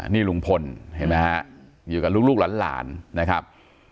นี่ลุงพลเห็นไหมฮะอยู่กับลูกหลานนะครับ